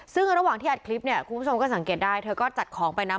ซึ่งระหว่างที่อัดคลิปเนี่ยคุณผู้ชมก็สังเกตได้เธอก็จัดของไปนะ